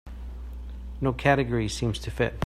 No category seems to fit.